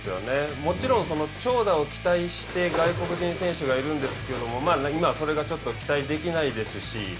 もちろん長打を期待して外国人選手がいるんですけれども今は、それがちょっと期待できないですし